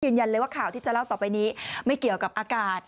ยืนยันเลยว่าข่าวที่จะเล่าต่อไปนี้ไม่เกี่ยวกับอากาศ